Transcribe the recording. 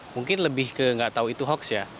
mungkin lebih ke nggak tahu itu hoax ya